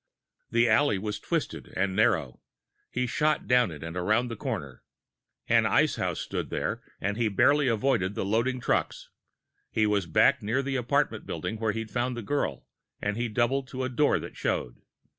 The alley was twisted and narrow. He shot down it and around a corner. An ice house stood there, and he barely avoided the loading trucks. He was back near the apartment building where he'd found the girl, and he doubled to a door that showed.